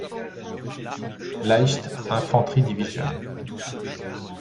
Leichte Infanterie-Division.